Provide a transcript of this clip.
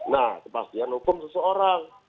nah kepastian hukum seseorang